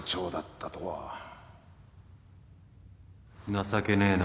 情けねえな